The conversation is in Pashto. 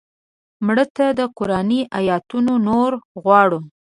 مړه ته د قرآني آیتونو نور غواړو